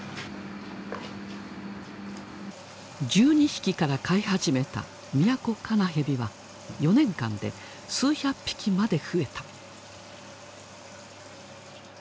１２匹から飼い始めたミヤコカナヘビは４年間で数百匹まで増えた。